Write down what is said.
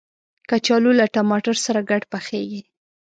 کچالو له ټماټر سره ګډ پخیږي